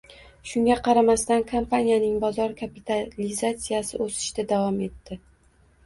Shunga qaramasdan, kompaniyaning bozor kapitalizatsiyasi o‘sishda davom etdi